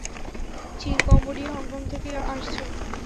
চীন, Cambodia, Hong Kong থেক আসছে।